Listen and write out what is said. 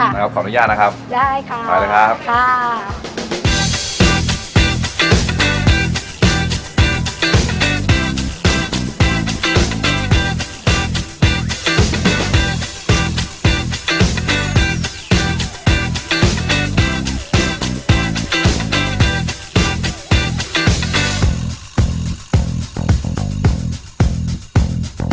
นะครับขออนุญาตนะครับได้ค่ะไปเลยครับค่ะ